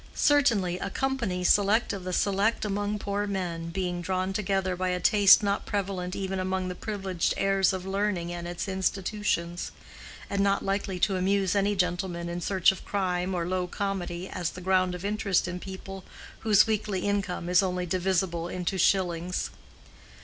Certainly a company select of the select among poor men, being drawn together by a taste not prevalent even among the privileged heirs of learning and its institutions; and not likely to amuse any gentleman in search of crime or low comedy as the ground of interest in people whose weekly income is only divisible into shillings.